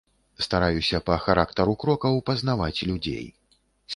Стараюся па характару крокаў пазнаваць людзей.